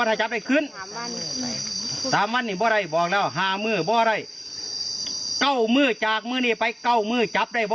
ถ้าจับได้ขึ้นตามวันนี้บ่อะไรบอกแล้วหามือบ่อะไรเก้ามือจากมือนี่ไปเก้ามือจับได้บ่